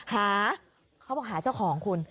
หาเขาบอกหาเจ้าของคุณ